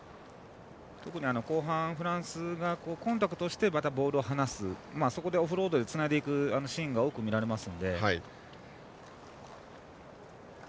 特に後半フランスがコンタクトしてまたボールを離すそこでオフロードでつないでいくシーンが多く見られますので。